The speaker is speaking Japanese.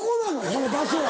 この場所は。